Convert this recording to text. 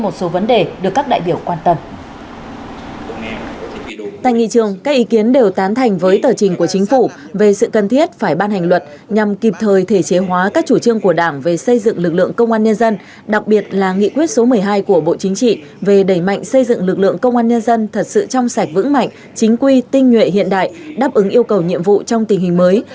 tại nghị trường các ý kiến đều tán thành với tờ trình của chính phủ về sự cần thiết phải ban hành luật nhằm kịp thời thể chế hóa các chủ trương của đảng về xây dựng lực lượng công an nhân dân đặc biệt là nghị quyết số một mươi hai của bộ chính trị về đẩy mạnh xây dựng lực lượng công an nhân dân thật sự trong sạch vững mạnh chính quy tinh nguyện hiện đại đáp ứng yêu cầu nhiệm vụ trong tình hình mới